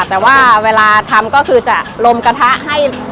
แต่ว่าเวลาทำก็คือจะลมกระทะให้